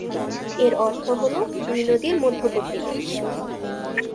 এর অর্থ হল দুই নদীর মধ্যবর্তী দেশ।